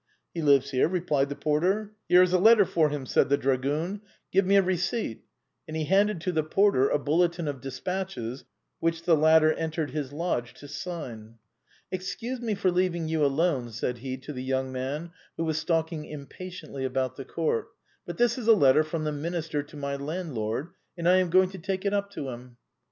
" He lives here," replied the porter. " Here is a letter for him," said the dragoon ;" give me a receipt;" and he handed to the porter a bulletin of des patches, which the latter entered his lodge to sign. " Excuse me for leaving you alone," said he to the young man who was stalking impatiently about the court, " but this is a letter from the Minister to my landlord, and I am going to take it up to him."